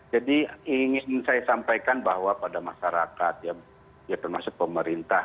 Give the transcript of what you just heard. jadi ingin saya sampaikan bahwa pada masyarakat ya termasuk pemerintah